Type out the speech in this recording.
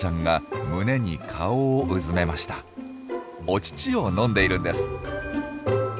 お乳を飲んでいるんです。